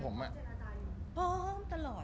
พร้อมตลอด